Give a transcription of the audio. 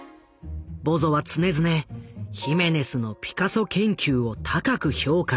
ボゾは常々ヒメネスのピカソ研究を高く評価していた。